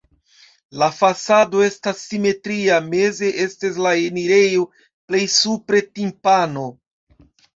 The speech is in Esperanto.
La fasado estas simetria, meze estas la enirejo, plej supre timpano.